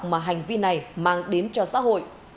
mà hành vi này mang đến cho xã hội